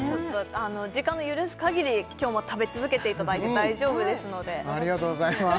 時間の許すかぎり今日も食べ続けていただいて大丈夫ですのでありがとうございます